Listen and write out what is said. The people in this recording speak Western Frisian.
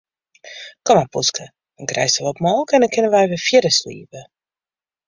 Kom mar poeske, dan krijsto wat molke en dan kinne wy wer fierder sliepe.